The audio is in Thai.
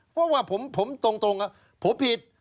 เพราะว่าผมตรงผมผิด